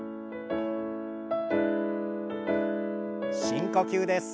深呼吸です。